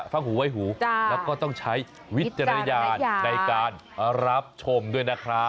หูไว้หูแล้วก็ต้องใช้วิจารณญาณในการรับชมด้วยนะครับ